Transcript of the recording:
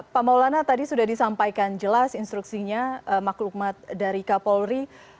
pak maulana tadi sudah disampaikan jelas instruksinya maklumat dari kapolri